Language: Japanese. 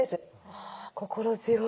はあ心強い。